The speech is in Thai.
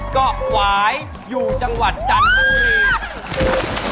เกาะหวายอยู่จังหวัดจันทร์ฮะมุรี